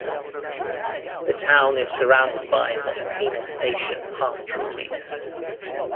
The town is surrounded by Motpena station pastoral lease.